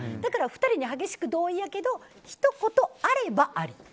２人に激しく同意やけどひと言あれば、あり。